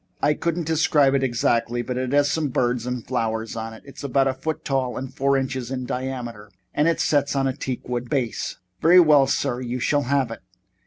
I couldn't describe it exactly, but it has some birds and flowers on it. It's about a foot tall and four inches in diameter and sets on a teak wood base." "Very well, sir. You shall have it."